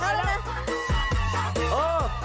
เออ